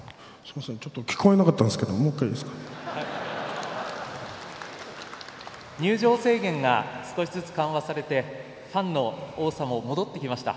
ちょっと聞こえなかったんですけれども入場制限が少しずつ緩和されてファンの多さも戻ってきました。